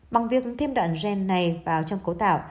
bằng việc thêm đoạn gen này vào trong cấu tạo